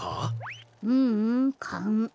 ううん。かん。